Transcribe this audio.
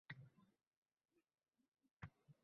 Farg‘onalik tadbirkor ayol milliy brend yaratdi